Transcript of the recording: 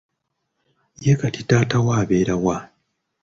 Ye kati taata wo abeera wa?